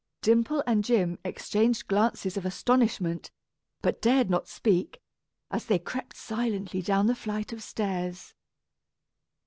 Dimple and Jim exchanged glances of astonishment, but dared not speak, as they crept silently down the flight of stairs.